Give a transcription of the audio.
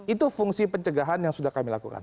itu fungsi pencegahan yang sudah kami lakukan